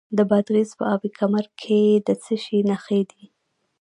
د بادغیس په اب کمري کې د څه شي نښې دي؟